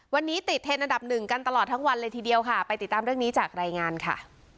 วันนี้ติดเทรนดอันดับหนึ่งกันตลอดทั้งวันเลยทีเดียวค่ะไปติดตามเรื่องนี้จากรายงานค่ะ